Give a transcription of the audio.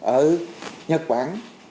ở nhật bản